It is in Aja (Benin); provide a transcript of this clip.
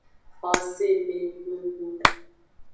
Xosemehunhun.